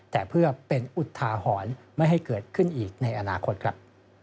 แต่เพื่อเป็นอุทาหรณ์ไม่ให้เกิดขึ้นอีกในอนาคตครับ